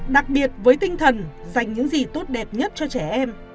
đặc biệt với tinh thần dành những gì tốt đẹp nhất cho trẻ em